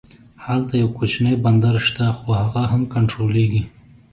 هلته یو کوچنی بندر شته خو هغه هم کنټرولېږي.